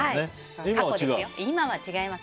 今は違います。